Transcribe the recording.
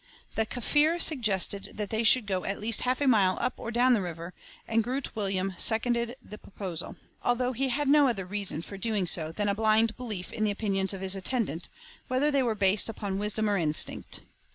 The Kaffir suggested that they should go at least half a mile up or down the river and Groot Willem seconded the proposal, although he had no other reason for doing so than a blind belief in the opinions of his attendant, whether they were based upon wisdom or instinct.